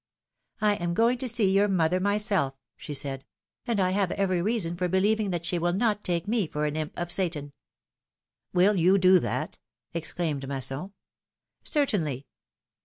am going to see your mother myself," she said, ^^and I have every reason for believing that she will not take me for an imp of Satan." Will you do that?" exclaimed Masson. Certainly."